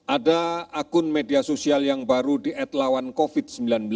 ada akun media sosial yang baru di atlawan covid sembilan belas